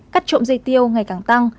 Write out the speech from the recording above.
cắt trộm dây tiêu ngày càng tăng